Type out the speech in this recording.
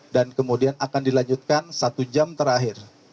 dan kemudian akan dilanjutkan satu jam terakhir